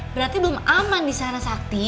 berarti belum aman disana sakti